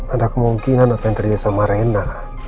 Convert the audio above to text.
ada kemungkinan apa yang terjadi sama rena